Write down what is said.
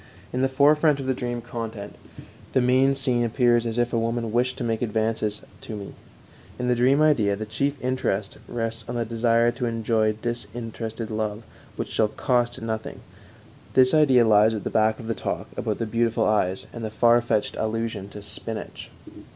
In the forefront of the dream content the main scene appears as if a woman wished to make advances to me; in the dream idea the chief interest rests on the desire to enjoy disinterested love which shall "cost nothing"; this idea lies at the back of the talk about the beautiful eyes and the far fetched allusion to "spinach."